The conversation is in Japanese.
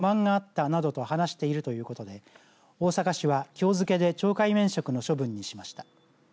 職員は上司の仕事ぶりに不満があったなどと話しているということで大阪市はきょう付けで懲戒免職の処分にしました。